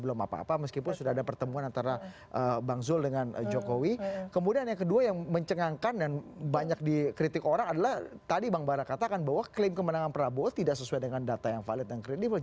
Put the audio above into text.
bapak bara katakan bahwa klaim kemenangan prabowo tidak sesuai dengan data yang valid dan kredibel